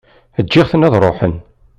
Ǧǧiɣ-ten ad ṛuḥen.